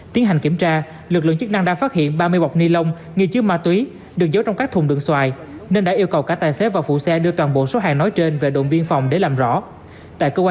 tiến hành kiểm tra lực lượng chức năng đã phát hiện ba mươi bọc ni lông nghi chứa ma túy được giấu trong các thùng đường xoài nên đã yêu cầu cả tài xế và phụ xe đưa toàn bộ số hàng nói trên về đồn biên phòng để làm rõ